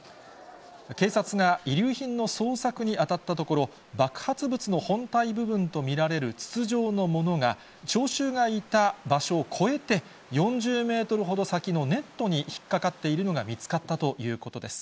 警察が遺留品の捜索に当たったところ、爆発物の本体部分と見られる筒状のものが、聴衆がいた場所を越えて、４０メートルほど先のネットに引っ掛かっているのが見つかったということです。